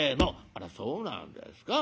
「あらそうなんですか。